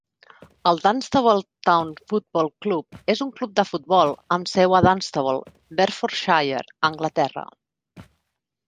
El Dunstable Town Football Club és un club de futbol amb seu a Dunstable, Bedfordshire, Anglaterra.